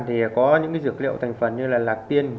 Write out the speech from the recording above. thì có những dược liệu thành phần như là lạc tiên